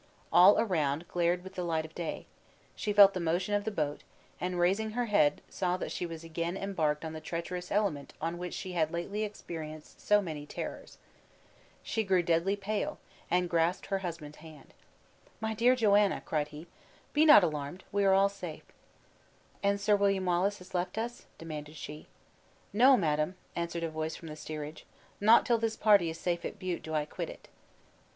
All around glared with the light of day; she felt the motion of the boat, and raising her head, saw that she was again embarked on the treacherous element on which she had lately experienced so many terrors. She grew deadly pale, and grasped her husband's hand. "My dear Joanna," cried he, "be not alarmed, we are all safe." "And Sir William Wallace has left us?" demanded she. "No, madam," answered a voice from the steerage, "not till this party is safe at Bute do I quit it."